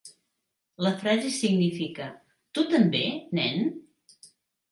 La frase significa: "Tu també, nen?".